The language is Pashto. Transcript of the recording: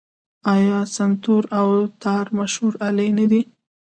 آیا سنتور او تار مشهورې الې نه دي؟